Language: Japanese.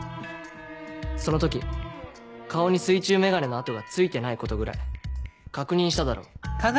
その時顔に水中メガネの痕が付いてないことぐらい確認しただろう。